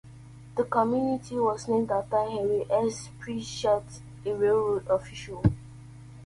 The community was named after Henry S. Pritchett, a railroad official.